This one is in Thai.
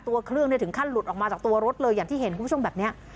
ตัวเครื่องถึงขั้นหลุดออกมาจากตัวรถเลยอย่างที่เห็นคุณผู้ชมแบบนี้